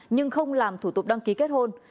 nhưng không làm thủ tục đăng ký kết hôn